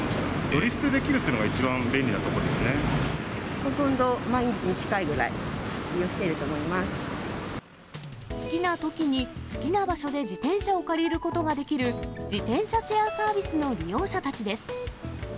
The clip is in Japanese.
乗り捨てできるということが一番ほとんど毎日に近いくらい利好きなときに、好きな場所で自転車を借りることができる、自転車シェアサービスの利用者たちです。